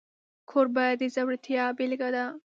کوربه د زړورتیا بيلګه وي.